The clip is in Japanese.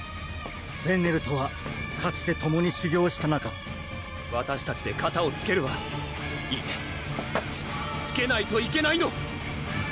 フェンネルとはかつて共に修行した仲わたしたちでかたをつけるわいいえつけないといけないの！